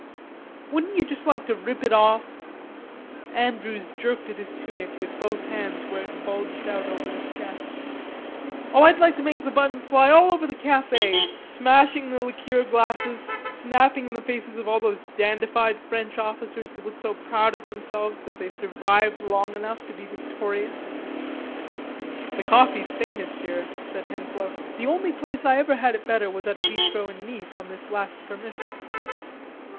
"Wouldn't you like to just rip it off?" Andrews jerked at his tunic with both hands where it bulged out over his chest. "Oh, I'd like to make the buttons fly all over the cafe, smashing the liqueur glasses, snapping in the faces of all those dandified French officers who look so proud of themselves that they survived long enough to be victorious." "The coffee's famous here," said Henslowe. "The only place I ever had it better was at a bistro in Nice on this last permission."